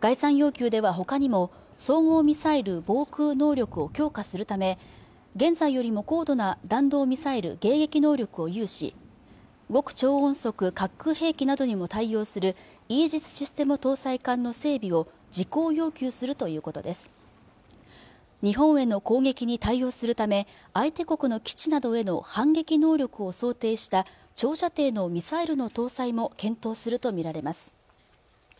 概算要求ではほかにも総合ミサイル防空能力を強化するため現在よりも高度な弾道ミサイル迎撃能力を有し極超音速滑空兵器などにも対応するイージスシステム搭載艦の整備を事項要求するということです日本への攻撃に対応するため相手国の基地などへの反撃能力を想定した長射程のミサイルの搭載も検討すると見られます